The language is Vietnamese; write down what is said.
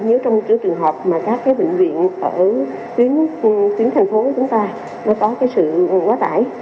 nếu trong trường hợp mà các bệnh viện ở tuyến thành phố của chúng ta có sự quá tải